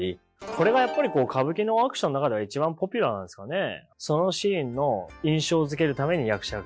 それがやっぱり歌舞伎のアクションの中では一番ポピュラーなんですかね。